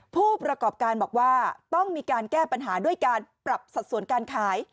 ผู้ประกอบการบอกว่าต้องมีการแก้ปัญหาด้วยการปรับสัดส่วนการขาย